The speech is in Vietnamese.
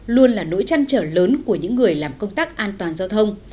luôn là nỗi chăn trở lớn của những người làm công tác an toàn giao thông